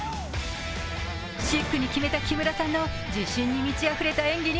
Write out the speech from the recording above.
シックに決めた木村さんの自信に満ちあふれた演技に